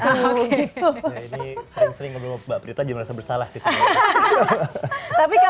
ini sering sering ngebawa mbak prita juga merasa bersalah sih sebenarnya